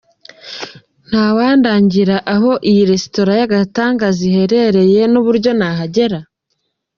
"Ntawandangira aho iyi resitora y'agatangaza iherereye n'uburyo nahagera?".